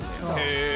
へえ。